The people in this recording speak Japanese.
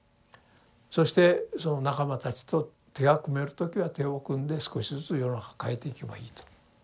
そしてその仲間たちと手が組める時は手を組んで少しずつ世の中を変えていけばいいと。